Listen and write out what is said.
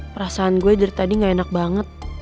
perasaan gue dari tadi gak enak banget